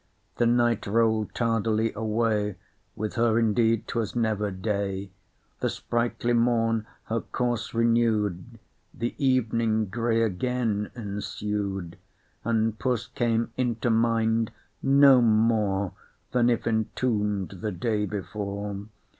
The night roll'd tardily away, (With her indeed 'twas never day,) The sprightly morn her course renew'd, The evening grey again ensued, And puss came into mind no more Than if entomb'd the day before.